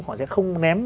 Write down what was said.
họ sẽ không ném